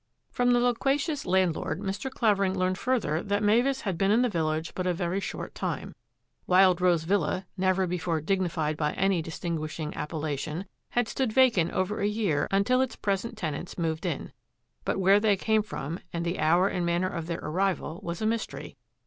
From the loquacious landlord Mr. Clavering learned further that Mavis had been in the village but a very short time. Wild Rose Villa, never before dignified by any distinguishing appellation, had stood vacant over a year until its present tenants moved in; but where they came from, and the hour and manner of their arrival was a mys tery.